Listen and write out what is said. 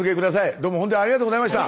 どうも本当にありがとうございました。